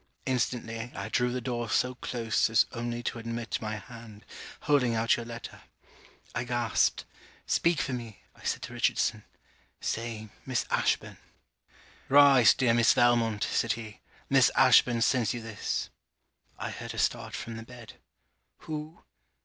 Instantly, I drew the door so close as only to admit my hand, holding out your letter. I gasped. 'Speak for me,' I said to Richardson; 'Say, Miss Ashburn.' 'Rise, dear Miss Valmont,' said he, 'Miss Ashburn sends you this.' I heard her start from the bed. 'Who?